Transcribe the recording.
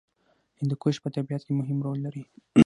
هندوکش په طبیعت کې مهم رول لري.